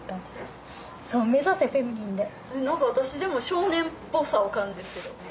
何か私でも少年っぽさを感じてる。